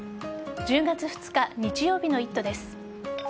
１０月２日日曜日の「イット！」です。